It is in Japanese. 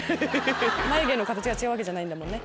眉毛の形が違うわけじゃないんだもんね。